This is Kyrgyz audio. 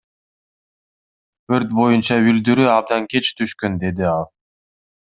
Өрт боюнча билдирүү абдан кеч түшкөн, — деди ал.